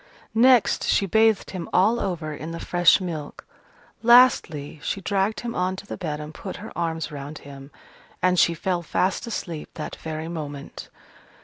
Next, she bathed him all over in the fresh milk. Lastly, she dragged him on to the bed and put her arms round him. And she fell fast asleep that very moment.